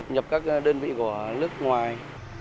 nhập các đơn vị của nước ngoài